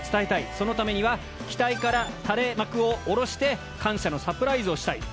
そのためには機体から垂れ幕を下ろして感謝のサプライズをしたい。